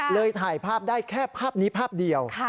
ถ่ายภาพได้แค่ภาพนี้ภาพเดียว